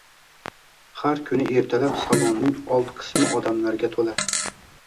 Har kuni ertalab salonning old qismi odamlarga to'la